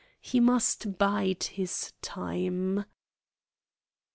He must bide his time.